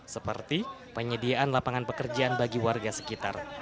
seperti penyediaan lapangan pekerjaan bagi warga sekitar